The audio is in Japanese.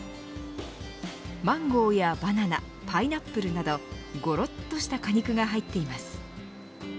マンゴーやバナナパイナップルなどごろっとした果肉が入っています。